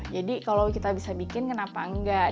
jadi kalau kita bisa bikin kenapa enggak